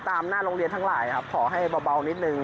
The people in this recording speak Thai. หน้าโรงเรียนทั้งหลายครับขอให้เบานิดนึง